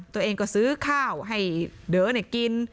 ตัวเองก็ซื้อข้าวให้เดอกิน